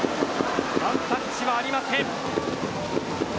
ワンタッチはありません。